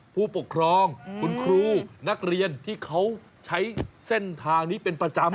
ผู้ปกครองคุณครูนักเรียนที่เขาใช้เส้นทางนี้เป็นประจำ